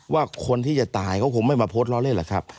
ว่าคนที่จะตายเขาคงไม่มาโพสต์ล้อเล่นหรอกครับ